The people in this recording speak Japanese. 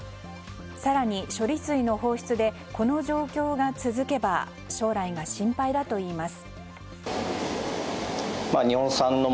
更に処理水の放出でこの状況が続けば将来が心配だといいます。